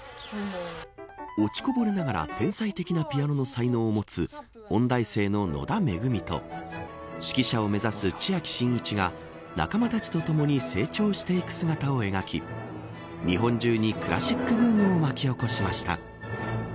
落ちこぼれながら天才的なピアノの才能を持つ音大生の野田恵と指揮者を目指す千秋真一が仲間たちとともに成長していく姿を描き日本中にクラシックブームを巻き起こしました。